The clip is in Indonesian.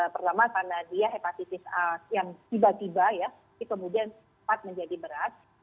pertama karena dia hepatitis a yang tiba tiba ya kemudian cepat menjadi berat